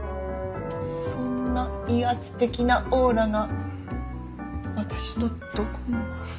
そんな威圧的なオーラが私のどこに？